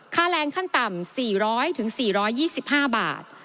ค่าแรงขั้นต่ำ๔๐๐๔๒๕บาท